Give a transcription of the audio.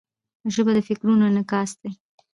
ژبه د فکرونو انعکاس ده.